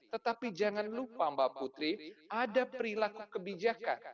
tetapi jangan lupa mbak putri ada perilaku kebijakan